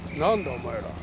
お前ら。